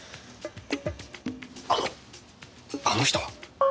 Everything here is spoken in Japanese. あのあの人は？